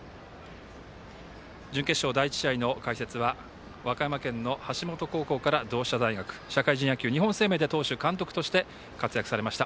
準決勝第１試合の解説は和歌山県の橋本高校から同志社大学社会人野球日本生命で投手、監督として活躍されました